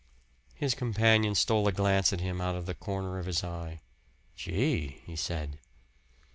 His companion stole a glance at him out of the corner of his eye. "Gee!" he said.